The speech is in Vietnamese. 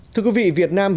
thưa quý vị việt nam hiện nay